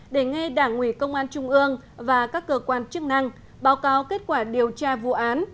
để nghe đảng ủy công an trung ương và các cơ quan chức năng báo cáo kết quả điều tra vụ án